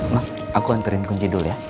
maaf aku anterin kunci dulu ya